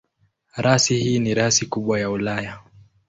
Rasi hii ni rasi kubwa ya Ulaya.